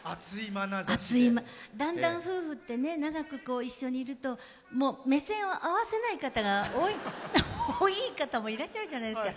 だんだん夫婦って長く一緒にいると目線を合わせない方が、多い方もいらっしゃるじゃないですか。